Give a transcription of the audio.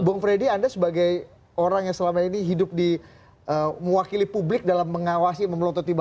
bung fredy anda sebagai orang yang selama ini hidup di mewakili publik dalam mengawasi memelontot tiba tiba